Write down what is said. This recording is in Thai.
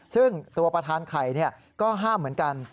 ซึ่งตัวประธานไข่ก็ห้ามเหมือนกัน